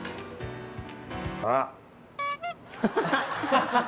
あっ！